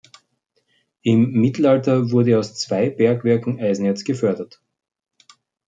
Im Mittelalter wurde aus zwei Bergwerken Eisenerz gefördert.